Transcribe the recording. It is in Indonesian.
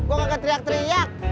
gua gak kena teriak teriak